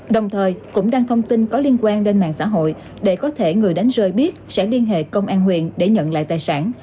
đồng thời cũng đăng thông tin có liên quan đến mạng xã hội để có thể người đánh rơi biết sẽ liên hệ công an huyện để nhận lại tài sản